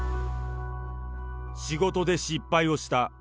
仕事で失敗をした。